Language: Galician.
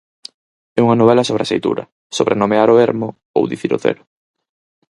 É unha novela sobre a seitura, sobre nomear o ermo ou dicir o cero.